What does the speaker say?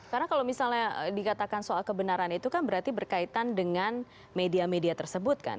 karena kalau misalnya dikatakan soal kebenaran itu kan berarti berkaitan dengan media media tersebut kan